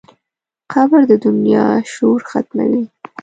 قبر د دنیا شور ختموي.